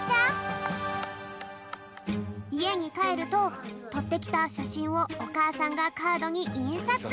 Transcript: いえにかえるととってきたしゃしんをおかあさんがカードにいんさつ。